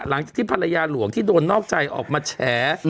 หลังจากที่ภรรยาหลวงที่โดนนอกใจออกมาแฉ